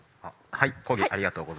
はい。